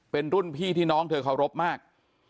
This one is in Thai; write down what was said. เป็นรุ่นพี่ที่น้องเธอเคารพมาก